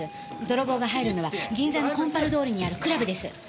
泥棒が入るのは銀座の金春通りにあるクラブです。